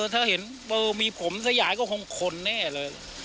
ถ้าเห็นมีผมสยายก็คงคนแน่เลย